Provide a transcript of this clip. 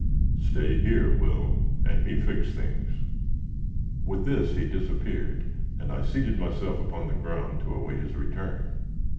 "Stay here, Will, and me fix things." With this he disappeared, and I seated myself upon the ground to await his return.